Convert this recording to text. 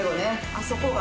あそこが。